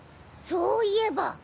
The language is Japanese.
そういえば。